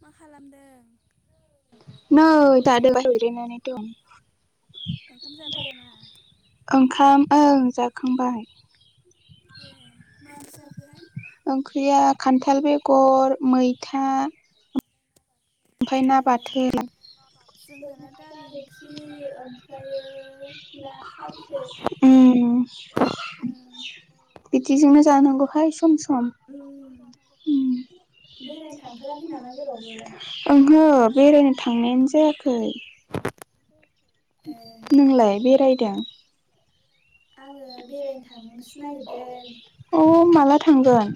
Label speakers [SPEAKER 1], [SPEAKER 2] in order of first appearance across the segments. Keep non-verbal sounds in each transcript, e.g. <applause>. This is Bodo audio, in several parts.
[SPEAKER 1] मा खालामदों?
[SPEAKER 2] नै दाद बाय रैनानै दं।
[SPEAKER 1] ओंखाम जाबाय नामा?
[SPEAKER 2] ओंखाम ओं जाखांबाय।
[SPEAKER 1] ए मा ओंख्रि जाखोहाय?
[SPEAKER 2] ओंख्रिया खान्थाल बेगर मैथा ओमफाय ना बाथोन
[SPEAKER 1] जोंहाना दालि ओंख्रि ओमफ्रायो ना फ्रायसो
[SPEAKER 2] उम बिदिजोंनो जानांगौहाय सम सम
[SPEAKER 1] बेरायनो थांथाराखै नामा जेरावबो
[SPEAKER 2] ओंहो बेरायनो थांनायानो जायाखै
[SPEAKER 1] <unintelligible>
[SPEAKER 2] नोंलाय बेरायदों
[SPEAKER 1] आङो बेरायनो थांनोसो नागिरदों
[SPEAKER 2] अ माला थांगोन?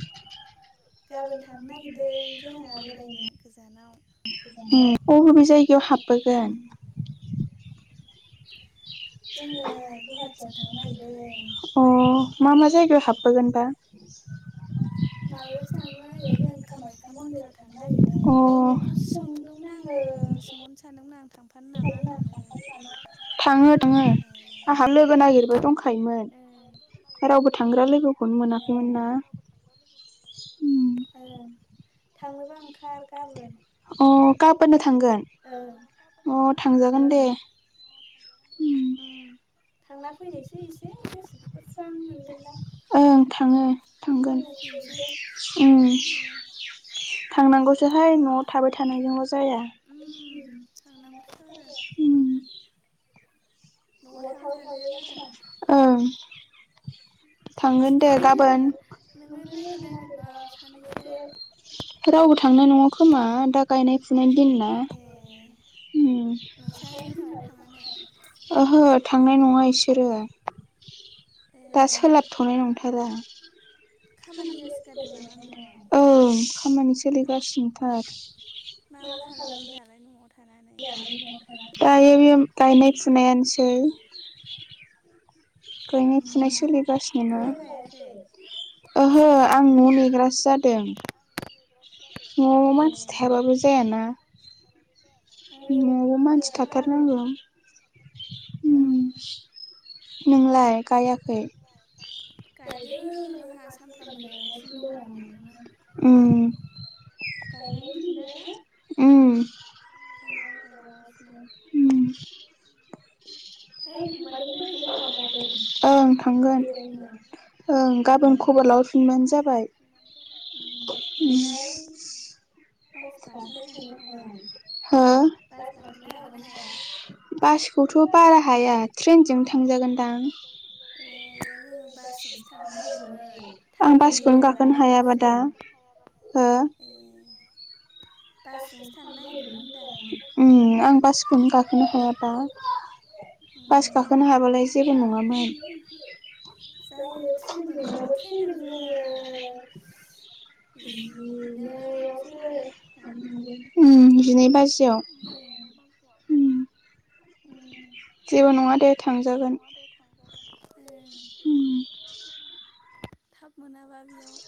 [SPEAKER 1] गाबोन थांनो नागिरदों जोंहा बेरायनो गोजानाव
[SPEAKER 2] उम बबेबे जायगायाव हाबबोगोन। अह मा मा जायगायाव हाबबोगोन दा
[SPEAKER 1] माबायावसो थांनो नागिरदों जों कामाख्या मन्दिराव थांनो नागिरदों नोंखौसो सोंदोंमोन आङो सोंहरनो सानदोंमोन आं थांफानो नामा होननानै
[SPEAKER 2] थाङो थङो आंहा लोगो नागिरबाय दंखायोमोनमफ्राय रावबो थांग्रा लोगोखौनो मोनाखैमोन ना
[SPEAKER 1] थांनोबा ओंखार गाबोन
[SPEAKER 2] अ गाबोननो थांगोन अ थांजागोन दे
[SPEAKER 1] थांना फैनोसै एसे गोसोफोरखौ स्रां मोनगोनदां
[SPEAKER 2] ओं थाङो थांगोन ओं थांनांगौसोहाय न'आव थाबाय थानायजोंल' जाया
[SPEAKER 1] उम थांनांगौथ' आरो न'आव थाबाय थाजायाबाारा
[SPEAKER 2] ओं थांगोन ए गाबोन रावबो थांनाय नङा खोमा दा गायनाय फुनाय दिन ना
[SPEAKER 1] नोंस्रा आयमोनहालाय थाङानो
[SPEAKER 2] ओहो थांनाय नङा एसोरो दा सोलाबथनाय नंथारा औ ओं खामानि सोलिगासिनोथार
[SPEAKER 1] मा मा खालामदों दा दालाय न'आव थानानै।
[SPEAKER 2] <unintelligible> गायनाय फुनायानोसै। गायनाय फुनाय सोलिगासिनो ना? ओहो आं न' नेग्रासो जादों। न'आव मानसि थायाबाबो जाया ना। न' आवबो मानसि थाथार नांगौ। उम नोंलाय गायाखै?
[SPEAKER 1] लाय गाया गायदों आहा सानफ्रामबो गायगासिनो दङ न'आवनो। गायनायनि दिन ना दा ओंखायनो गायला गासिनो।
[SPEAKER 2] उम ओं थांगोन। ओं गाबोन खबर लाहर फिनबानो जाबाय। <unintelligible> हो बासखौथ' बारा हाया ट्रेनजोंनो थांजागोनदां।
[SPEAKER 1] ए जोङो बासजोंसो थांनो नागिरदोंमोन थाब मोनहैयो नालाय बासजों।
[SPEAKER 2] हो
[SPEAKER 1] बासजोंसो थांनो नागिरदोंमोन होनदां।
[SPEAKER 2] उम आं बासखौनो गाखोनो हायाबा। बास गाखोनो हाबालाय जेबो नङामोन।
[SPEAKER 1] जायो ट्रेनजोंबाबो ट्रेनजों जोङो
[SPEAKER 2] उम जिनै बाजि
[SPEAKER 1] उम ओं जिनै बाजियाव उम
[SPEAKER 2] जेबो नङा दे।
[SPEAKER 1] जेबो नङा दे थांजागोन। ओं थाब मोनाबा बेयाव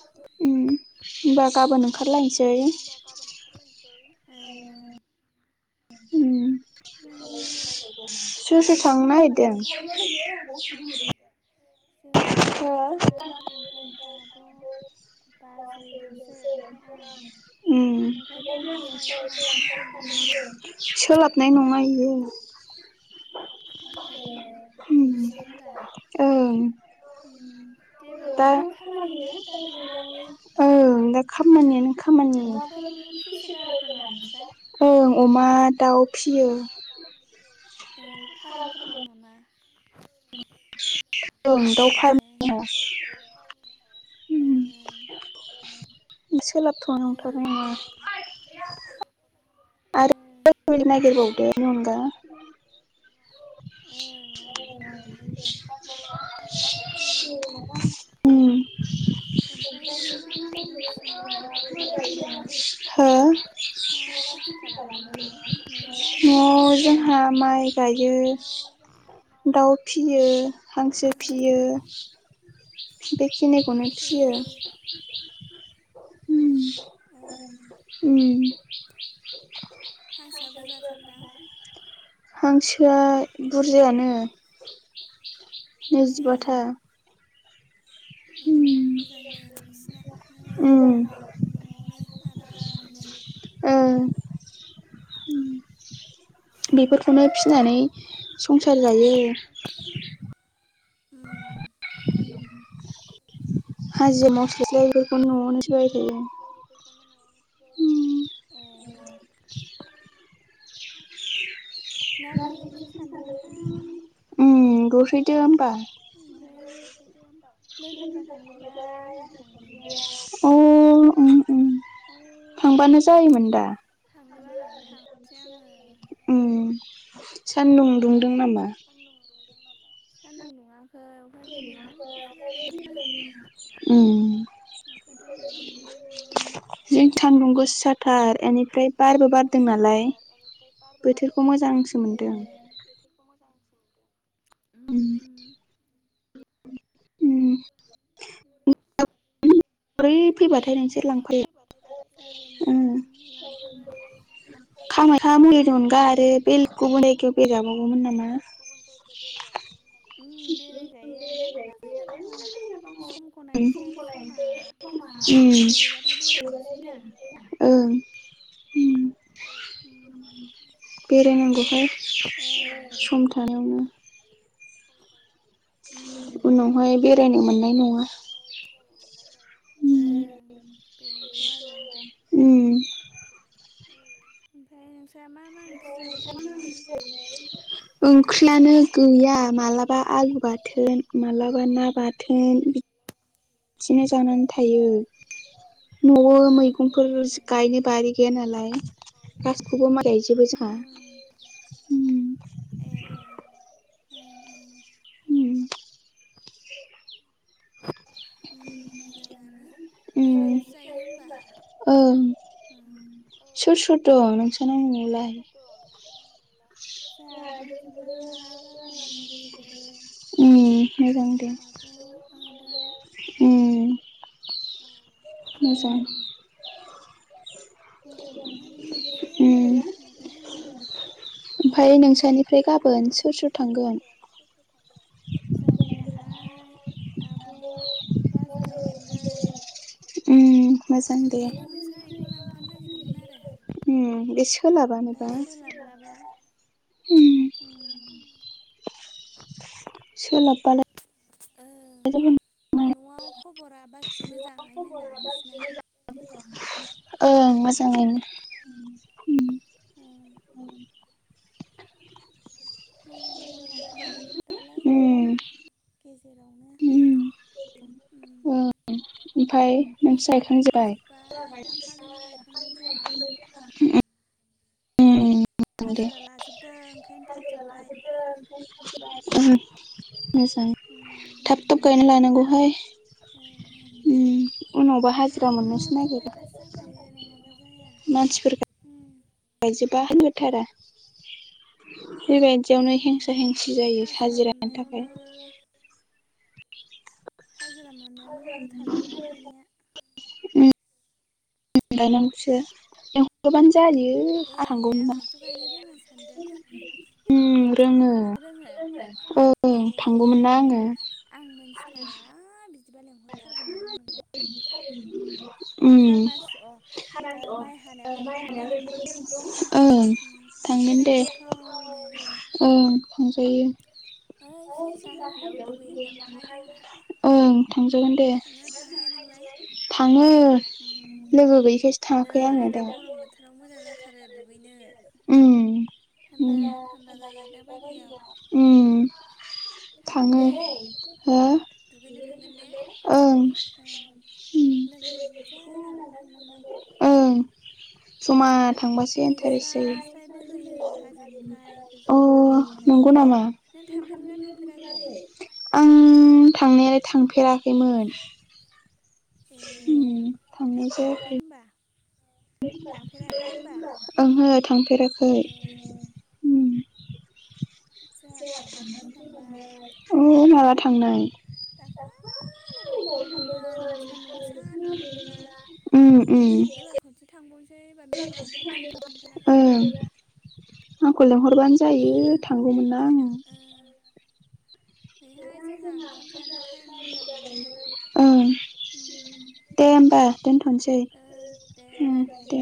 [SPEAKER 1] ओमबा गाबोन ओंखार बोनोसै। ओं ओं
[SPEAKER 2] उम सोर सोर थांनो नागिरदों?
[SPEAKER 1] जोङो आइ ओमफाय आब' बाजैल'सो ओमफाय आं
[SPEAKER 2] उम सोलाबनाय नङा इयो।
[SPEAKER 1] ए इदिसो ओमबा।
[SPEAKER 2] ओं
[SPEAKER 1] उम जेबो नङा खामानिना दा दैलांनि
[SPEAKER 2] ओं दा खामानियानो
[SPEAKER 1] अमाफोर फिसो गारो खोमा नोंस्रा?
[SPEAKER 2] ओं अमा दा
[SPEAKER 1] औ अमा दाउ फिदों। ए फाराम फोर दं नामा?
[SPEAKER 2] ओं दाव फाराम दङ।
[SPEAKER 1] फाराम दङ। ओं ओं
[SPEAKER 2] सोलाबथ'आ नंथारनाय नङा।
[SPEAKER 1] ए <inaudible> ओं नागिरगोन दे जेबो नङा।
[SPEAKER 2] उम
[SPEAKER 1] ओमफ्राय नोंसा मा मा मैगं फिसि माबा मैगं गायो न'आव? मा मा खेथि खालामो न'आव न'आव मा मा खेथि खालामो?
[SPEAKER 2] दाउ फियो हांसो फियो। बेखिनिखौनो फियो उम उम
[SPEAKER 1] हांसोआ बुरजाथारदां?
[SPEAKER 2] हांसोआ बुरजायानो नैजिबाथा।
[SPEAKER 1] उम मोजां दे नोंसिना मोजां मालाय न'आवनो आराम मोनो।
[SPEAKER 2] ओं बेफोरखौनो फिनानै संसार जायो। हाजिरा मावस्लायस्लाय बेफोरखौनो न'आवनो फिबाय थायो।
[SPEAKER 1] ए ना गुरहैनोसै सानदोंमोनहां ओमफ्राय लोगोफ्रा थांजोब्बाय आंहा थांदिया।
[SPEAKER 2] अ' उम उम थांबानो जायोमोनदा। उम सानदुं दुंदों नामा?
[SPEAKER 1] सान्दुं दुंदों नामा? सान्दुं दुङाखै अखा दोमैलुसो जादों जोंना।
[SPEAKER 2] <inaudible> उम
[SPEAKER 1] अखा दोमैलुनो।
[SPEAKER 2] जि सानदुं गोसा
[SPEAKER 1] जि सानदुं गोसाथार एनिफ्राय बारबो बारदों नालाय। ए ओम ओम।
[SPEAKER 2] उम
[SPEAKER 1] ओं ओं जागोन दे लां-लांफागोन।
[SPEAKER 2] खामायका मन्दिरनि अनगा आरो बेल गुबुन जायगायाव बेराय जाबावगौमोन नामा
[SPEAKER 1] गुबुन जायगायाव बेराय जाबावगौमोन नामा उम बेरायजायो मेलला जायगा दङ'। समखौ नायनोसै समा थोयोबाथाय बेरायनोसै ना।
[SPEAKER 2] ओं उम
[SPEAKER 1] ओम।
[SPEAKER 2] बेरायनांगौहाय सम थानायावनो। उनावहाय बेरायनो मोननाय नङा।
[SPEAKER 1] उनावहाय बेरायनो मोननाय नंआ।
[SPEAKER 2] उम उम
[SPEAKER 1] उम ओमफ्राय नोंस्रा मा मा ओंख्रि जाबाय थायोहाय?
[SPEAKER 2] ओंख्रियानो गैया मालाबा आलु बाथोन माबलाबा ना बाथोन। दिनो जानानै थायो न'आव मै गंफोर गायनो बारि गैया नालाय गासिखौबो माइ गायजोबो जोंहा।
[SPEAKER 1] उम मोजाङानो बायनानैसो जायो होमबा उम
[SPEAKER 2] सोर सर दं नों -
[SPEAKER 1] <inaudible> जोहा दंजोबो आइ बाबामोन दंजोबो आब। आदा।
[SPEAKER 2] उम मोजां।
[SPEAKER 1] मोजाङानो बिदिनोसै आरोना माथो होननो।
[SPEAKER 2] ओमफ्राय नोंसानिफ्राय गाबोन सोर सोर थांगोन।
[SPEAKER 1] सोर सोर थांगोन? जाहानिफाय आइ आब बाजै थांगोन।
[SPEAKER 2] उम।
[SPEAKER 1] ओंखायनोथ नोंसा आइखौ लांफानो नागिरदोंमोन आरो।
[SPEAKER 2] उ बे सोलाबानोबा।
[SPEAKER 1] माबा।
[SPEAKER 2] उम सोलाब बालाय।
[SPEAKER 1] ओ नआव खबरा बाखि मोजां आइमोनना नोंसिना।
[SPEAKER 2] ओं मोजाङानो।
[SPEAKER 1] ओ। मोजां जाखागोनना दालाय। गेजेरावनो उम।
[SPEAKER 2] ओमफाय नोंसा गायखांजोबाय? जोंना गायखां जोबबाय। उम
[SPEAKER 1] हाजिरा लाजोबदों ओंखायनो थाबजोबबाय।
[SPEAKER 2] मोजां थाब थाब गायना लानांगौहाय।
[SPEAKER 1] ओं
[SPEAKER 2] उम
[SPEAKER 1] ओम थाब थाब गायबासो जाखायो नङाब्ला जाया उम
[SPEAKER 2] गायजोबा होथारा। बेबायदि आवनो हिंसि हिंसि जायो साजिरा नि थाखाय।
[SPEAKER 1] हाजिरा मोननायावनो होथारबाय गायनाया।
[SPEAKER 2] ओय गायनांगौसो लेंहरबानो जायो।
[SPEAKER 1] ए आं नोंखौ गायनो रोङा सानदों।
[SPEAKER 2] ओम रोङो औ थांगौमोन ना आङो।
[SPEAKER 1] आं मिथिथारा बिदिबा लेंहरथारगौमोनहां नोंखौ।
[SPEAKER 2] <unintelligible> <unintelligible> ओं <unintelligible> थांगोन दे ओम। थां जायो। थांजागोन दे
[SPEAKER 1] थाङोना थाङाहाय नोंलाय। उम नै दा गरम बोथोराव मोजां जाथारो दुगैनो। थान्दा थान्दा जायो दा बायदियाव।
[SPEAKER 2] ओम थाङो हो।
[SPEAKER 1] थांगोन दे लोगोफोर ओ बुरजा लाना थांनांगौ।
[SPEAKER 2] ओं समान।
[SPEAKER 1] दै स्राय स्राय बोहोयो हाजोनिफ्राय गोजौनिफाय। नों थांफेरदोंना थांफेराखै?
[SPEAKER 2] आं थांनायालाय थांफेराखैमोन।
[SPEAKER 1] ए थांफेराखै होमबा थांफेराखै होमबा।
[SPEAKER 2] ओहो थांफेराखै। जोंहा थांना फैखांबाय अ माला थांनाय?
[SPEAKER 1] दाखालि बावै थांदोंमोन सान्दुं गोसा दुंदोंमोना।
[SPEAKER 2] उम उम।
[SPEAKER 1] थांबावनोसै।
[SPEAKER 2] ओं। आंखौ लिंहरबानो जायो थांगौमोनना आङो। ओं। दे ओमबा दोनथ'नोसै ओम दे।